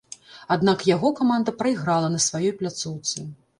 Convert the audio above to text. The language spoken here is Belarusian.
Аднак яго каманда прайграла на сваёй пляцоўцы.